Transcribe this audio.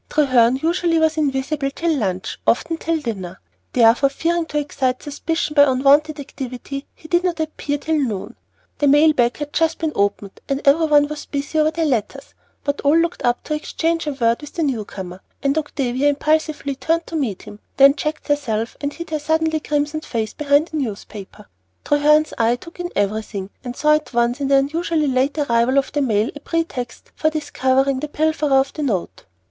Treherne usually was invisible till lunch, often till dinner; therefore, fearing to excite suspicion by unwonted activity, he did not appear till noon. The mailbag had just been opened, and everyone was busy over their letters, but all looked up to exchange a word with the newcomer, and Octavia impulsively turned to meet him, then checked herself and hid her suddenly crimsoned face behind a newspaper. Treherne's eye took in everything, and saw at once in the unusually late arrival of the mail a pretext for discovering the pilferer of the note.